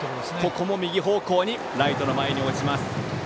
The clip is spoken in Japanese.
ここも右方向ライトの前に落ちます。